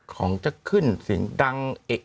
ของจะขึ้นสิ่งดัง